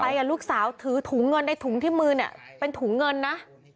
ลูกสาวถือถุงเงินในถุงที่มือเนี่ยเป็นถุงเงินนะ